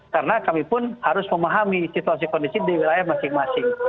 karena kami pun harus memahami situasi kondisi di wilayah masing masing